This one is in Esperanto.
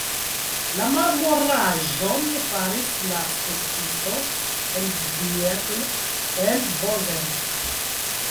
La marmoraĵon faris la skulptisto Hellriegl el Bozen.